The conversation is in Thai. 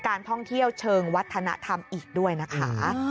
การท่องเที่ยวเชิงวัฒนธรรมอีกด้วยนะคะ